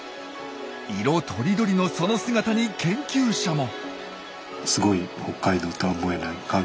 色とりどりのその姿に研究者も。